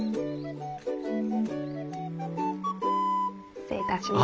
失礼いたします。